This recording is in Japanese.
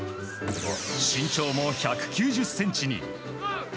身長も１９０ｃｍに。